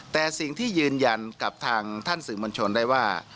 แต่สิ่งที่ยืนยันกับทางท่านสื่อมวลชนได้ว่า